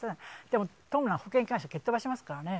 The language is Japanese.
でも、トムが保険会社を蹴っ飛ばしますからね。